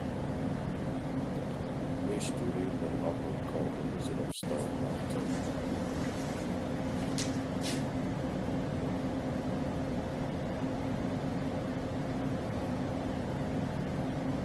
Wish to read the novel called The Wizard of Stone Mountain